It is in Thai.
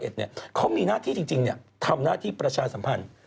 เขามีหน้าที่จริงทำหน้าที่ประชาสัมพันธ์